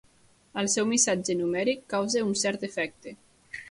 El seu missatge numèric causa un cert efecte.